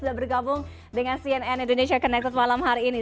sudah bergabung dengan cnn indonesia connected malam hari ini